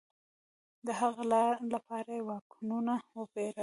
د هغه لپاره یې واګونونه وپېرل.